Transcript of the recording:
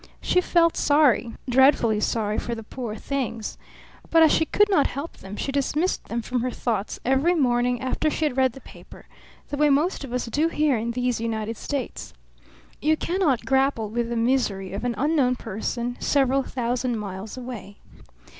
She felt sorry, dreadfully sorry, for the poor things; but as she could not help them she dismissed them from her thoughts every morning after she had read the paper, the way most of us do here in these United States. You cannot grapple with the misery of an unknown person several thousand miles away.